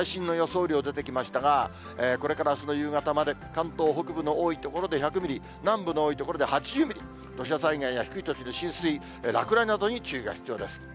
雨量出てきましたが、これからあすの夕方まで、関東北部の多い所で１００ミリ、南部の多い所で８０ミリ、土砂災害や低い土地の浸水、落雷などに注意が必要です。